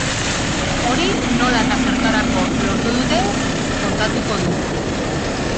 Hori nola eta zertarako lortu duten kontatuko du.